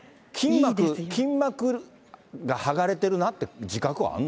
筋膜が剥がれてるなって自覚はあんの？